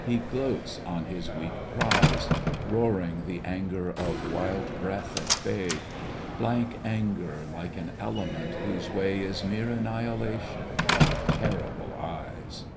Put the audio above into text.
He gloats on his weak prize. Roaring the anger of wild breath at bay, Blank anger like an element whose way Is mere annihilation ! Terrible eyes